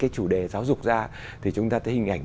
cái chủ đề giáo dục ra thì chúng ta thấy hình ảnh